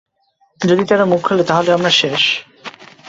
যদি তারা মুখ খোলে, তাহলে আমরা শেষ।